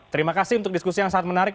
terima kasih untuk diskusi yang sangat menarik